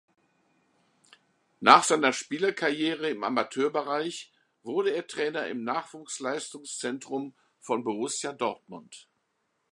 Nach seiner Spielerkarriere im Amateurbereich wurde er Trainer im Nachwuchsleistungszentrum von Borussia Dortmund.